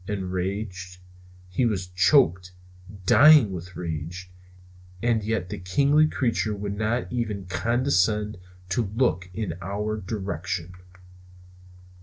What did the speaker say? Enraged? He was choking, dying with rage; and yet this kingly creature would not even condescend to look in our direction.